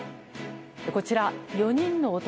こちら、４人の男。